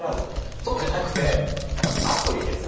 そうじゃなくてアプリですよ